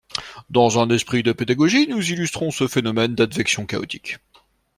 Dans un esprit de pédagogie nous illustrons ce phénomène d'advection chaotique